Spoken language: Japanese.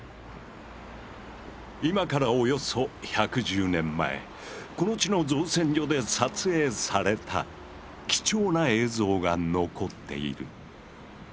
今からおよそ１１０年前この地の造船所で撮影された貴重な映像が残っている。